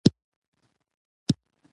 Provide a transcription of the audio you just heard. لوستې میندې د ماشوم پر تغذیه ژمنه ده.